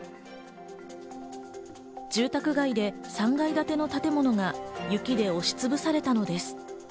住宅街で３階建ての建物が雪で押しつぶされたのです。